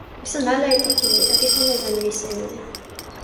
mi sona ala e toki ni. toki pona la ni li seme?